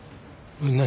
何？